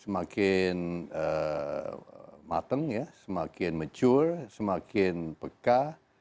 semakin mateng ya semakin mature semakin peka